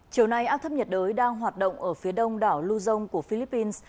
chiều nay áp thấp nhiệt đới đang hoạt động ở phía đông đảo luzon của philippines